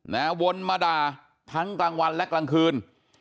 วนมาด่าทั้งกลางวันและกลางคืน